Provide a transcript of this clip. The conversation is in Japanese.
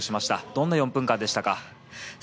どんな４分間でしたか？